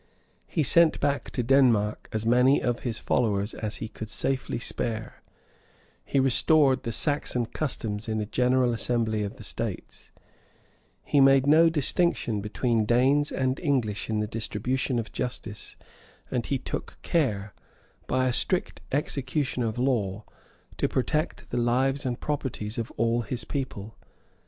He sent back to Denmark as many of his followers as he could safely spare; he restored the Saxon customs in a general assembly of the states; he made no distinction between Danes and English in the distribution of justice; and he took care, by a strict execution of law, to protect the lives and properties of all his people.